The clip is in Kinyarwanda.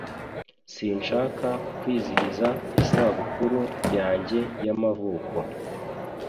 Sinshaka kwizihiza isabukuru yanjye y'amavuko.